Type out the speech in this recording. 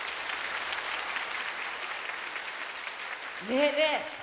ねえねえ！